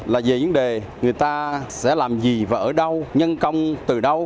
là về vấn đề người ta sẽ làm gì và ở đâu nhân công từ đâu